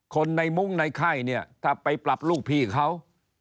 คนในมุ้งในไข้เนี่ยถ้าไปปรับลูกพี่เขา